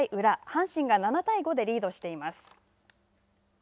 阪神が７対５でリードしています。